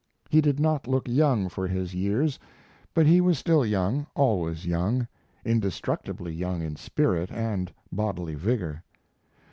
He did not look young for his years, but he was still young, always young indestructibly young in spirit and bodily vigor.